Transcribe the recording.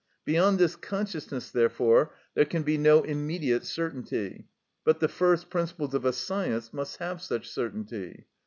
Beyond this consciousness, therefore, there can be no immediate certainty; but the first principles of a science must have such certainty.